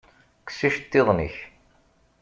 Kkes iceṭṭiḍen-ik!